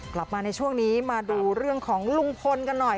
กลับมาในช่วงนี้มาดูเรื่องของลุงพลกันหน่อย